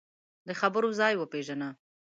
د خبرو ځای وپېژنه